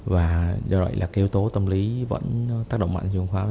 và do vậy là cái yếu tố tâm lý vẫn tác động mạnh trên chiến khoán